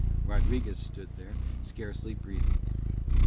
Rodriguez stood there, scarcely breathing.